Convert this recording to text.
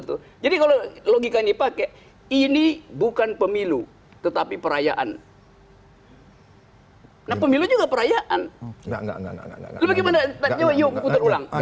tuh jadi kalau logikanya pakai ini bukan pemilu tetapi perayaan hai nah pemilu juga perayaan